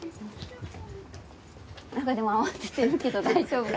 なんかでも慌ててるけど大丈夫か？